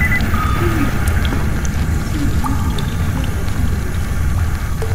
Plus généralement, les cinnolines sont des dérivés de la cinnoline.